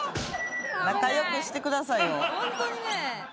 仲良くしてくださいよ。